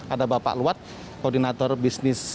ada bapak luat koordinator bisnis